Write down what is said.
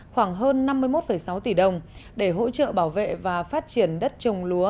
khoảng hơn năm mươi một sáu tỷ đồng để hỗ trợ bảo vệ và phát triển đất trồng lúa